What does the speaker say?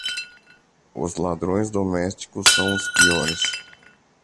Os ladrões domésticos são os piores.